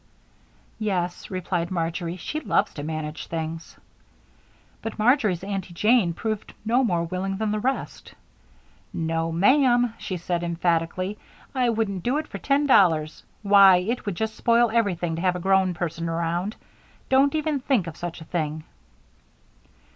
"Yes," replied Marjory. "She loves to manage things." But Marjory's Aunty Jane proved no more willing than the rest. "No, ma'am!" she said, emphatically. "I wouldn't do it for ten dollars. Why, it would just spoil everything to have a grown person around. Don't even think of such a thing."